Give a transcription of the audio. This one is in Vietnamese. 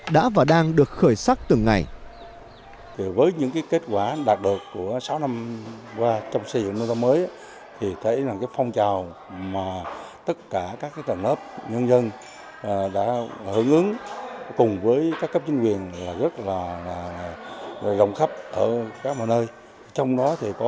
đã và đang được khởi sát bởi các đoàn thể nông thôn mới